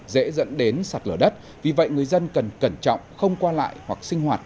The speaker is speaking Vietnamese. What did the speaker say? dễ dẫn đến sạt lở đất vì vậy người dân cần cẩn trọng không qua lại hoặc sinh hoạt